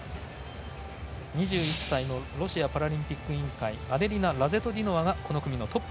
２１歳のロシアパラリンピック委員会アデリナ・ラゼトディノワがトップ。